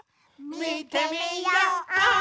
「みてみよう！」